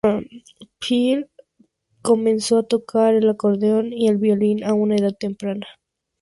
Phil comenzó a tocar el acordeón y el violín a una edad temprana.